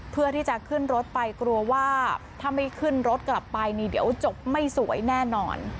เพื่อที่จะขึ้นรถไปกลัวว่าถ้าไม่ขึ้นรถกลับไปนี่เดี๋ยวจบไม่สวยแน่นอน